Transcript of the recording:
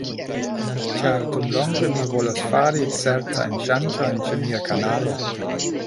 Ĉar dum longe mi volas fari certajn ŝanĝojn ĉe mia kanalo